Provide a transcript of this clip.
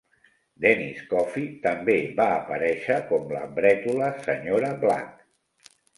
Denise Coffey també va aparèixer com la brètola Sra. Black.